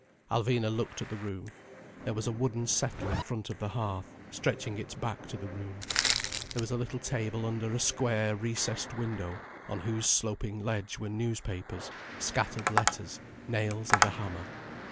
Alvina looked at the room. There was a wooden settle in front of the hearth, stretching its back to the room. There was a little table under a square, recessed window, on whose sloping ledge were newspapers, scattered letters, nails and a hammer.